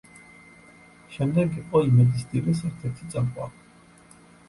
შემდეგ იყო „იმედის დილის“ ერთ-ერთ წამყვანი.